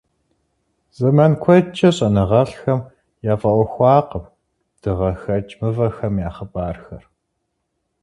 Зэман куэдкӀэ щӀэныгъэлӀхэм яфӀэӀуэхуакъым дыгъэхэкӀ мывэхэм я хъыбархэр.